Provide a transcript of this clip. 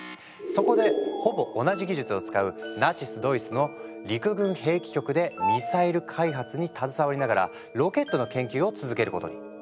そこでほぼ同じ技術を使うナチスドイツの陸軍兵器局でミサイル開発に携わりながらロケットの研究を続けることに。